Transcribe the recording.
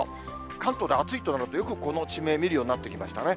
関東で暑いとなると、よく、この地名、見るようになってきましたね。